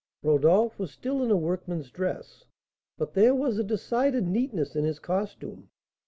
Rodolph was still in a workman's dress; but there was a decided neatness in his costume.